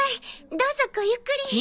どうぞごゆっくり。